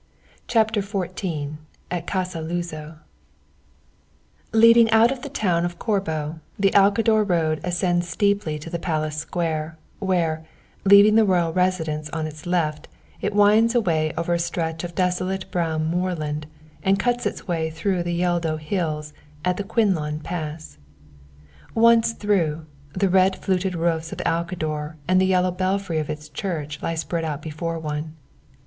CHAPTER XIV AT CASA LUZO Leading out of the town of Corbo, the Alcador road ascends steeply to the Palace Square, where, leaving the royal residence on its left, it winds away over a stretch of desolate brown moorland and cuts its way through the Yeldo Hills at the Quinlon Pass. Once through, the red fluted roofs of Alcador and the yellow belfry of its church lie spread out before one.